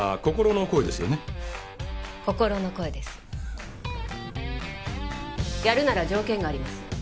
心の声ですやるなら条件があります